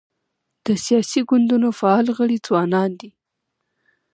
د سیاسي ګوندونو فعال غړي ځوانان دي.